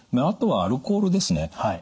あとはアルコールですね。